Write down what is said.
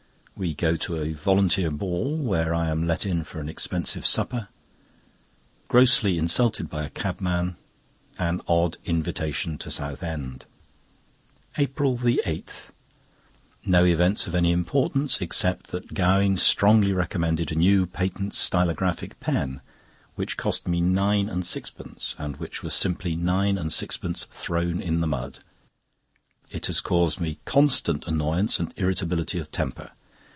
We go to a Volunteer Ball, where I am let in for an expensive supper. Grossly insulted by a cabman. An odd invitation to Southend. APRIL 8.—No events of any importance, except that Gowing strongly recommended a new patent stylographic pen, which cost me nine and sixpence, and which was simply nine and sixpence thrown in the mud. It has caused me constant annoyance and irritability of temper.